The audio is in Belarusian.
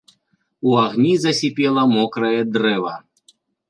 У агні засіпела мокрае дрэва.